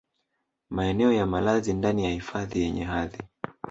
maeneo ya malazi ndani ya hifadhi yenye hadhi